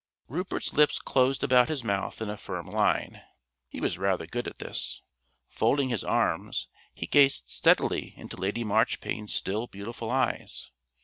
Rupert's lips closed about his mouth in a firm line. (He was rather good at this.) Folding his arms, he gazed steadily into Lady Marchpane's still beautiful eyes.